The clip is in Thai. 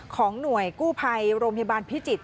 ของหน่วยกู้ภัยโรงพยาบาลพิจิตร